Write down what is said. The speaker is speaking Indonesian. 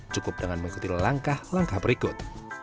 cukup dengan mengikuti langkah langkah berikut